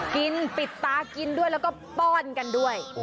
กินปิดตากินด้วยแล้วก็ป้อนกันด้วย